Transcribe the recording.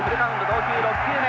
投球６球目。